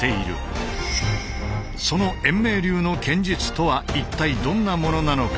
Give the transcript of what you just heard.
その円明流の剣術とは一体どんなものなのか。